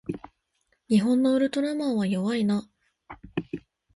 日本のウルトラマンは弱いな